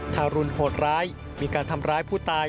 ทารุณโหดร้ายมีการทำร้ายผู้ตาย